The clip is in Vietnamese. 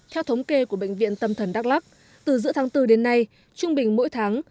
theo thống kê của bệnh viện tâm thần đắk lắc từ giữa tháng bốn đến nay trung bình mỗi tháng